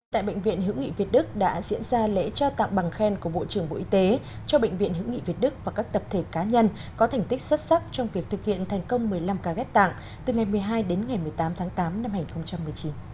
tại bệnh viện hữu nghị việt đức đã diễn ra lễ trao tặng bằng khen của bộ trưởng bộ y tế cho bệnh viện hữu nghị việt đức và các tập thể cá nhân có thành tích xuất sắc trong việc thực hiện thành công một mươi năm ca ghép tặng từ ngày một mươi hai đến ngày một mươi tám tháng tám năm hai nghìn một mươi chín